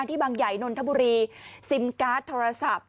บางใหญ่นนทบุรีซิมการ์ดโทรศัพท์